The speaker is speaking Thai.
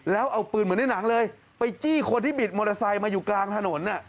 แล้วเอาปืนเหมือนในหนังเลยไปจี้คนที่บิดมอเตอร์ไซค์มาอยู่กลางถนน